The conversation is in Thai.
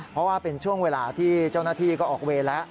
เพราะว่าเป็นช่วงเวลาที่เจ้าหน้าที่ก็ออกเวรแล้ว